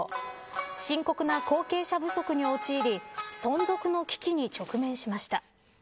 深刻な後継者不足に陥り存続の危機に直面しました。